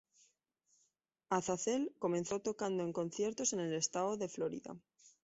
Azazel comenzó tocando en conciertos en el estado de Florida.